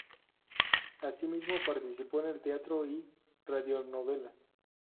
Así mismo participó en teatro y Radionovelas.